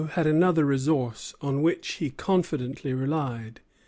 Pouchot had another resource, on which he confidently relied.